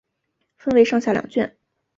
分为上下两卷。